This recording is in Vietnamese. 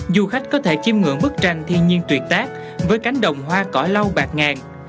du khách có thể chiêm ngưỡng bức tranh thiên nhiên tuyệt tác với cánh đồng hoa cỏ lau bạc ngàn